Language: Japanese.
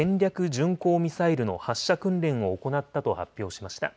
巡航ミサイルの発射訓練を行ったと発表しました。